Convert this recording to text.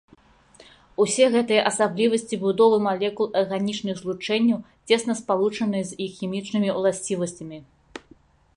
Усе гэтыя асаблівасці будовы малекул арганічных злучэнняў цесна спалучаныя з іх хімічнымі ўласцівасцямі.